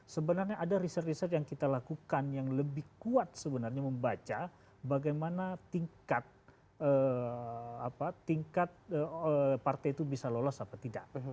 sebenarnya ada riset riset yang kita lakukan yang lebih kuat sebenarnya membaca bagaimana tingkat partai itu bisa lolos apa tidak